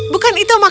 bukan itu menolak